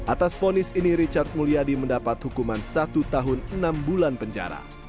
atas fonis ini richard mulyadi mendapat hukuman satu tahun enam bulan penjara